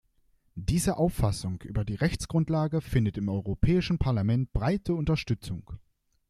Diese Auffassung über die Rechtsgrundlage findet im Europäischen Parlament breite Unterstützung.